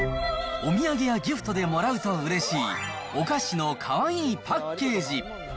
お土産やギフトでもらうとうれしい、お菓子のかわいいパッケージ。